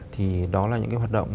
thì đó là những cái hoạt động